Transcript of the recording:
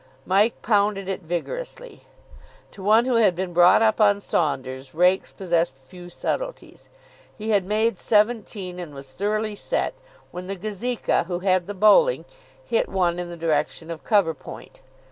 Mike pounded it vigorously. To one who had been brought up on Saunders, Raikes possessed few subtleties. He had made seventeen, and was thoroughly set, when the Gazeka, who had the bowling, hit one in the direction of cover point.